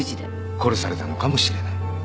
殺されたのかもしれない。